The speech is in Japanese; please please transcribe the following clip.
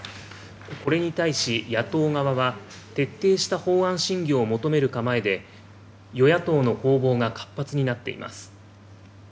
これに対し野党側は、徹底した法案審議を求める構えで、与野党の攻防が活発になっています。